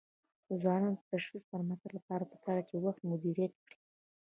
د ځوانانو د شخصي پرمختګ لپاره پکار ده چې وخت مدیریت کړي.